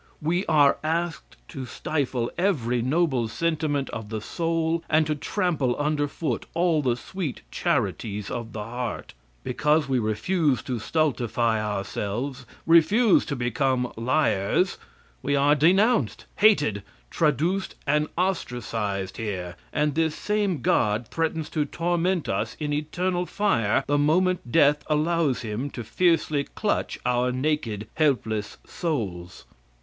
We are asked to stifle every noble sentiment of the soul, and to trample under foot all the sweet charities of the heart. Because we refuse to stultify ourselves refuse to become liars we are denounced, hated, traduced and ostracized here, and this same god threatens to torment us in eternal fire the moment death allows him to fiercely clutch our naked helpless souls.